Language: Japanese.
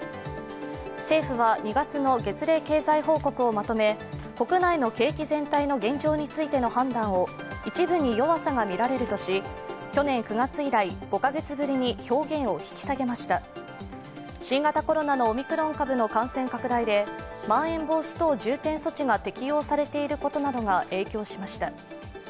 政府は２月の月例経済報告をまとめ国内の景気全体の現状についての判断を一部に弱さがみられるとし、去年９月以来５カ月ぶりに表現を引き下げました新型コロナのオミクロン株の感染拡大でまん延防止等重点措置が適用されていることなどが影響しました。